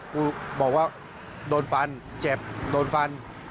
กูบอกว่าโดนฟันเจ็บโดนฟัน